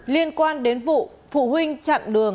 liên quan đến vụ